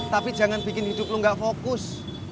tapi jangan bikin hidup lo gak fokus